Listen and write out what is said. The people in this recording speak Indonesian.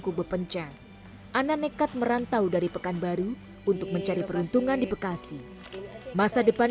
kube pencang ana nekat merantau dari pekanbaru untuk mencari peruntungan di bekasi masa depan